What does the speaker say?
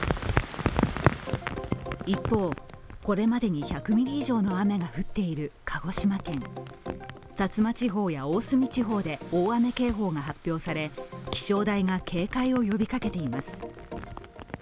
一方、これまでに１００ミリ以上の雨が降っている鹿児島県、薩摩地方や大隅地方で大雨警報が発表され気象台が警戒を呼びかけています。